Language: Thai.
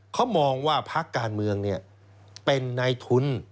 เขามองว่าพักการเมืองเป็นในทุน